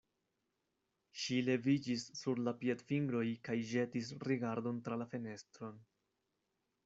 Ŝi leviĝis sur la piedfingroj kaj ĵetis rigardon tra la fenestron.